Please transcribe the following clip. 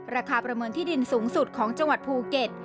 ประเมินที่ดินสูงสุดของจังหวัดภูเก็ต